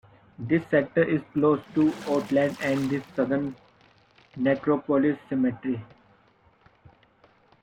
This sector is close to Oatlands and the Southern Necropolis cemetery.